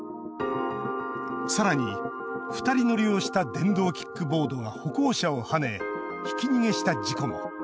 更に２人乗りをした電動キックボードが歩行者をはねひき逃げした事故も。